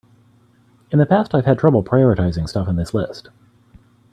In the past I've had trouble prioritizing stuff in this list.